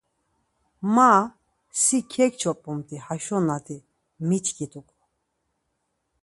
Ma, si ǩeǩçop̌umt̆i, haşonat̆i miçkit̆uǩo.